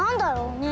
ねえ。